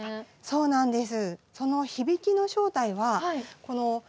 そうなんです。